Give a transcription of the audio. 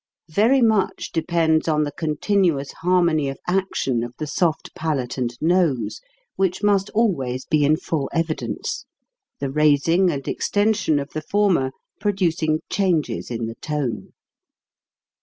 Very much depends on the continuous harmony of action of the soft palate and nose, which must always be in full evidence, the raising and extension of the former producing changes in the tone.